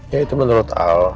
ya itu menurut al